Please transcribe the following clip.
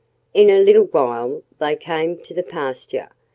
In a little while they came to the pasture.